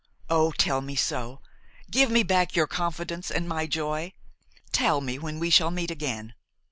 Oh! tell me so! give me back your confidence and my joy! tell me when we shall meet again.